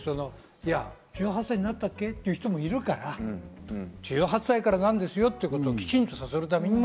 大沢さんのように１８歳になったっけ？っていう人もいるから１８歳からなんですよということをきちんとさせるためにも、